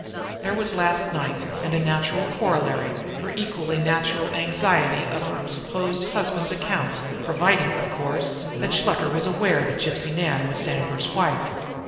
There was last night and, a natural corollary, her equally natural anxiety on her supposed husband's account, providing, of course, that Shluker was aware that Gypsy Nan was Danglar's wife.